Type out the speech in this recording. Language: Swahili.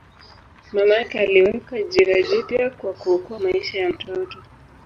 Mama yake aliweka jina jipya kwa kuokoa maisha ya mtoto.